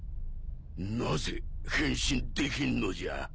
なぜ変身できんのじゃ？